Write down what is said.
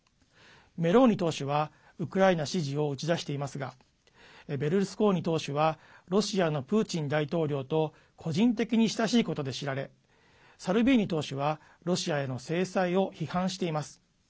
メローニ党首はウクライナ支持を打ち出していますがベルルスコーニ党首はロシアのプーチン大統領と個人的に親しいことで知られサルビーニ党首はロシアへの制裁を批判しています。